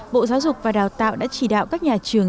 bộ giáo dục và đào tạo đã chỉ đạo các nhà trường